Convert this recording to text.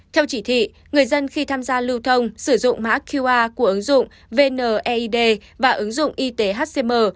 theo chỉ thị người dân khi tham gia lưu thông sử dụng mã qr của ứng dụng vneid và ứng dụng y tế hcm